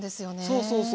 そうそうそう。